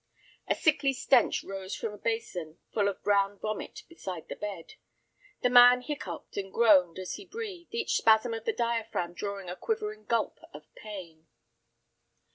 A sickly stench rose from a basin full of brown vomit beside the bed. The man hiccoughed and groaned as he breathed, each spasm of the diaphragm drawing a quivering gulp of pain.